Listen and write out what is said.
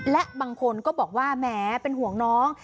และบางคนก็บอกว่าแหมเป็นห่วงน้อง